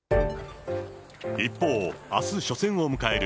一方、あす初戦を迎える